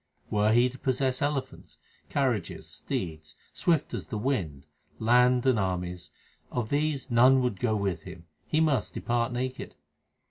Were he to possess elephants, carriages, steeds, swift as the wind, land, and armies Of these none would go with him ; he must depart naked.